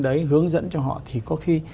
đấy hướng dẫn cho họ thì có khi